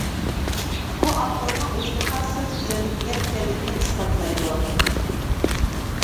بۇ ئاپتورنىڭ ئۆزىگە خاس سۆز گۈزەللىكىگە ئىكەنلىكىنى ئىسپاتلايدۇ.